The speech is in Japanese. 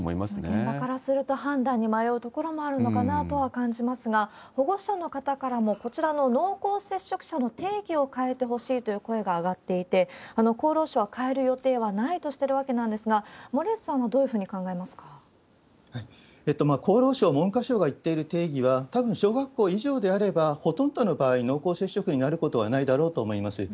現場からすると判断に迷うところもあるのかなとは思いますが、保護者の方からも、こちらの濃厚接触者の定義を変えてほしいという声が上がっていて、厚労省は変える予定はないとしているわけなんですが、森内さんは厚労省、文科省が言っている定義は、たぶん小学校以上であればほとんどの場合、濃厚接触になることはないだろうと思います。